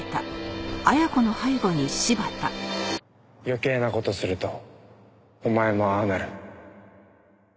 余計な事するとお前もああなる。